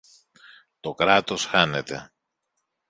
Το Κράτος χάνεται!